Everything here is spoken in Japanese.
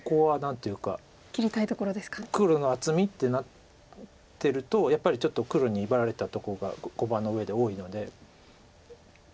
黒の厚みってなってるとやっぱりちょっと黒に威張られたとこが碁盤の上で多いので。